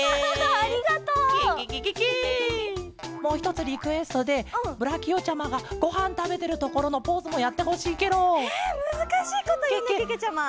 もうひとつリクエストでブラキオちゃまがごはんたべてるところのポーズもやってほしいケロ！えむずかしいこというねけけちゃま。